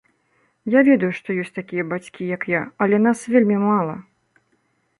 Я ведаю, што ёсць такія бацькі, як я, але нас вельмі мала.